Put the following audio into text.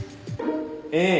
ええ。